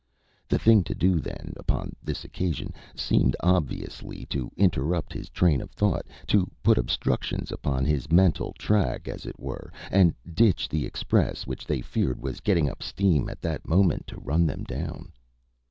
The thing to do, then, upon this occasion, seemed obviously to interrupt his train of thought to put obstructions upon his mental track, as it were, and ditch the express, which they feared was getting up steam at that moment to run them down.